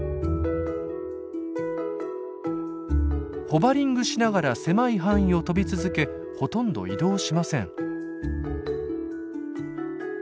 ホバリングしながら狭い範囲を飛び続けほとんど移動しません。